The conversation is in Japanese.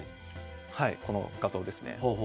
この画像ですね。